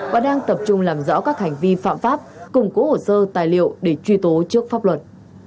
và đang tập trung làm rõ các hành vi phạm pháp củng cố hồ sơ tài liệu để truy tố trước pháp luật